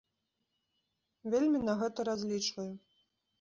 Вельмі на гэта разлічваю.